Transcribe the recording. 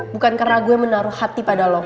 bukan karena gue menaruh hati pada lo